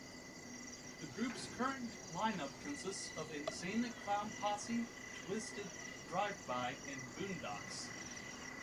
The group's current lineup consists of Insane Clown Posse, Twiztid Drive-By, and Boondox.